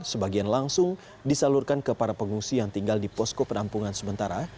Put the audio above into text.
sebagian langsung disalurkan ke para pengungsi yang tinggal di posko penampungan sementara